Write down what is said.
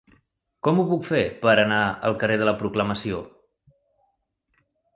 Com ho puc fer per anar al carrer de la Proclamació?